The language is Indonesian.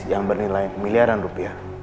yang bernilai miliaran rupiah